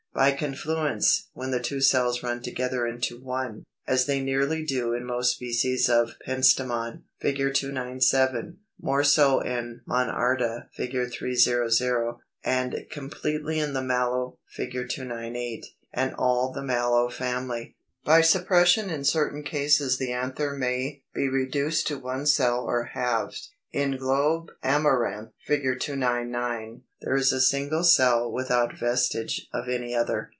292. By confluence, when the two cells run together into one, as they nearly do in most species of Pentstemon (Fig. 297), more so in Monarda (Fig. 300), and completely in the Mallow (Fig. 298) and all the Mallow family. 293. By suppression in certain cases the anther may be reduced to one cell or halved. In Globe Amaranth (Fig. 299) there is a single cell without vestige of any other.